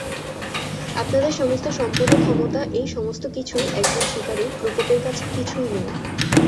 আপনাদের সমস্ত সম্পদ ও ক্ষমতা, এই সমস্তকিছুই একজন শিকারীর প্রকোপের কাছে কিছুই নয়।